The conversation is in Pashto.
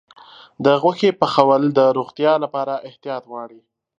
د غوښې پخول د روغتیا لپاره احتیاط غواړي.